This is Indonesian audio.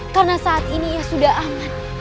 karena saat ini ia sudah aman